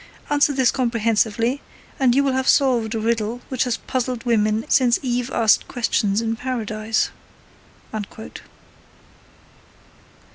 Answer this comprehensively, and you will have solved a riddle which has puzzled women since Eve asked questions in Paradise.